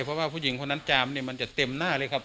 เพราะว่าผู้หญิงคนนั้นจามเนี่ยมันจะเต็มหน้าเลยครับ